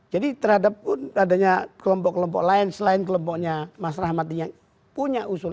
jadi terhadap pun adanya kelompok kelompok lain selain kelompoknya mas rahmatin yang punya usul